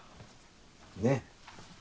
ねっ？